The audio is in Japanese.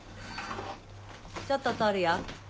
ちょっと通るよ。